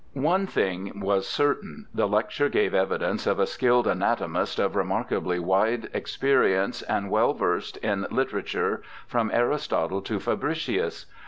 One thing was certain —the lecture gave evidence of a skilled anatomist of remarkably wide experience and well versed in literature from Aristotle to Fabricius.